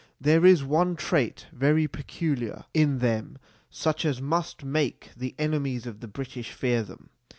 There is one trait very peculiar in them such as must make the enemies of the British fear them.